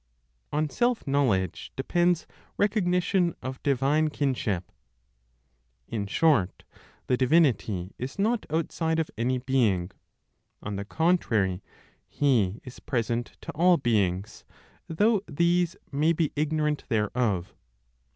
ON SELF KNOWLEDGE DEPENDS RECOGNITION OF DIVINE KINSHIP. (In short), the divinity is not outside of any being. On the contrary, He is present to all beings, though these may be ignorant thereof.